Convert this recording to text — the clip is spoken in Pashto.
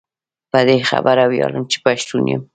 په دي خبره وياړم چي پښتون يم